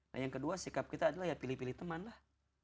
nah yang kedua sikap kita adalah ya pilih pilih teman lah